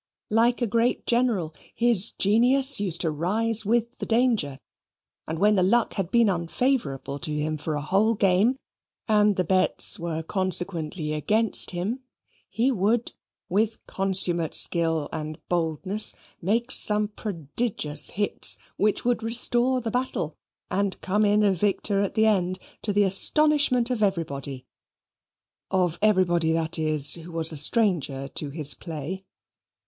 Like a great General, his genius used to rise with the danger, and when the luck had been unfavourable to him for a whole game, and the bets were consequently against him, he would, with consummate skill and boldness, make some prodigious hits which would restore the battle, and come in a victor at the end, to the astonishment of everybody of everybody, that is, who was a stranger to his play.